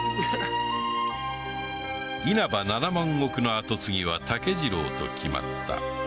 稲葉七万石の跡継ぎは竹次郎と決まった